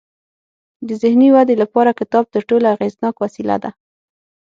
د ذهني ودې لپاره کتاب تر ټولو اغیزناک وسیله ده.